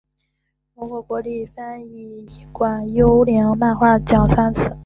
荣获国立编译馆优良漫画奖三次。